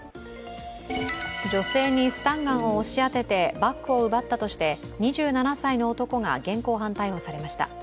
女性にスタンガンを押し当ててバッグを奪ったとして２７歳の男が現行犯逮捕されました。